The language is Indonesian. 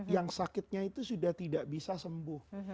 yang sakitnya itu sudah tidak bisa sembuh